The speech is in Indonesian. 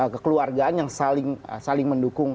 kekeluargaan yang saling mendukung